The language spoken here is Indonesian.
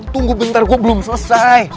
tunggu bentar gue belum selesai